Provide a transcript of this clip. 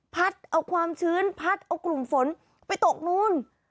พัดเอาความชื้นพัดเอากลุ่มฝนไปตกนู้น